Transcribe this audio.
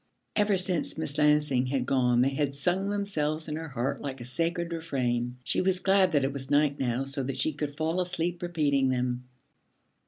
Ever since Miss Lansing had gone they had sung themselves in her heart like a sacred refrain. She was glad that it was night now so that she could fall asleep repeating them.